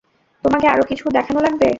তোমাকে আরো কিছু দেখানো লাগবে।